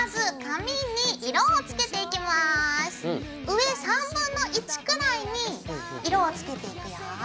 上1/3くらいに色をつけていくよ。